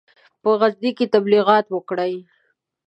په غزني کې تبلیغات وکړي.